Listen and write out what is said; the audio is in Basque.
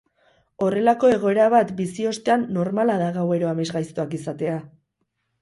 Horrelako egoera bat bizi ostean normala da gauero amesgaiztoak izatea.